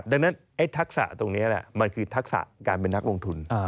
ดังนั้นทักษะตรงนี้แหละมันคือทักษะการเป็นนักลงทุน